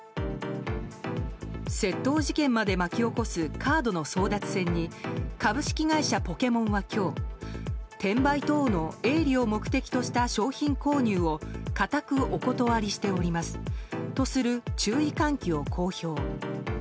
窃盗事件まで巻き起こすカードの争奪戦に株式会社ポケモンは今日転売等の営利を目的とした商品購入を固くお断りしておりますとする注意喚起を公表。